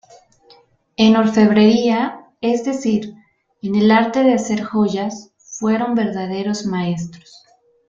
En orfebrería, es decir, en el arte de hacer joyas, fueron verdaderos maestros.